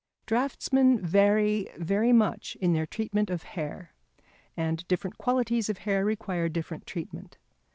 Draughtsmen vary very much in their treatment of hair, and different qualities of hair require different treatment.